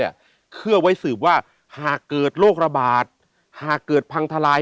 ที่นี่เนี่ยเครื่องไว้สืบว่าหากเกิดโรคระบาดหากเกิดพังทะลาย